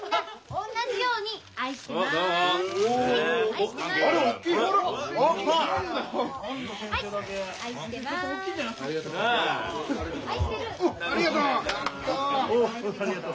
おうありがとう。